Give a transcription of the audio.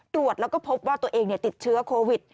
ตรวจแล้วก็พบว่าตัวเองติดเชื้อโควิด